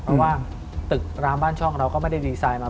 เพราะว่าตึกร้างบ้านช่องเราก็ไม่ได้ดีไซน์มา